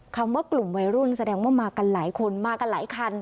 คำว่ากลุ่มวัยรุ่นแสดงว่ามากันหลายคนมากันหลายคัน